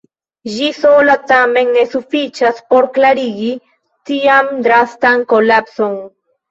Ĝi sola tamen ne sufiĉas por klarigi tian drastan kolapson.